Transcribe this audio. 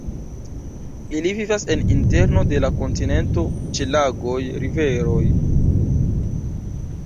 Ili vivas en interno de la kontinento ĉe lagoj, riveroj.